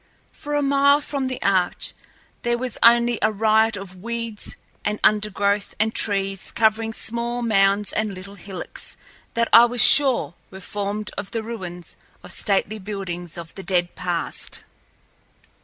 For a mile from the arch there was only a riot of weeds and undergrowth and trees covering small mounds and little hillocks that, I was sure, were formed of the ruins of stately buildings of the dead past.